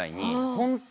本当